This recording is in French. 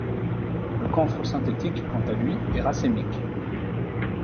Le camphre synthétique, quant à lui, est racémique.